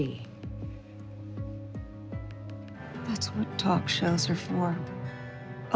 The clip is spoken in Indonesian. itu yang jadinya pembicaraan